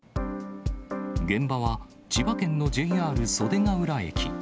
現場は、千葉県のＪＲ袖ケ浦駅。